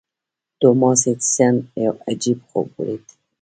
توماس ايډېسن يو عجيب خوب وليد.